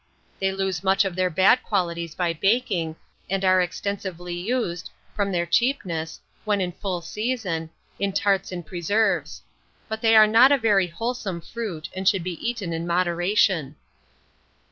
They lose much of their bad qualities by baking, and are extensively used, from their cheapness, when in full season, in tarts and preserves; but they are not a very wholesome fruit, and should be eaten in moderation.